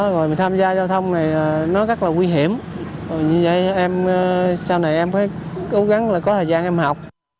rồi mình tham gia giao thông này nó rất là nguy hiểm như vậy em sau này em phải cố gắng là có thời gian em học